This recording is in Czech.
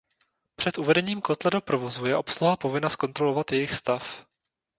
Před uvedením kotle do provozu je obsluha povinna zkontrolovat jejich stav.